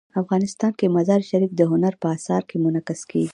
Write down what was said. افغانستان کې مزارشریف د هنر په اثار کې منعکس کېږي.